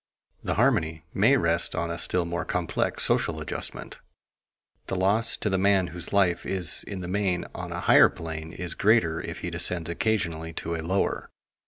The harmony may rest on a still more complex social adjustment. The loss to the man whose life is in the main on a higher plane is greater if he descends occasionally to a lower.